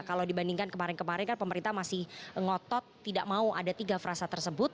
kalau dibandingkan kemarin kemarin kan pemerintah masih ngotot tidak mau ada tiga frasa tersebut